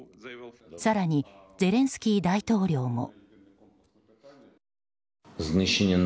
更にゼレンスキー大統領も。